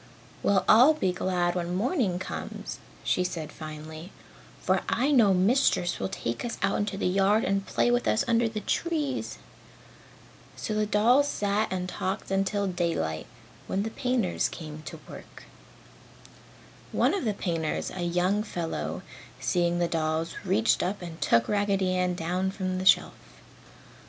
"Well, I'll be glad when morning comes!" she said finally, "for I know Mistress will take us out in the yard and play with us under the trees." So the dolls sat and talked until daylight, when the painters came to work. One of the painters, a young fellow, seeing the dolls, reached up and took Raggedy Ann down from the shelf.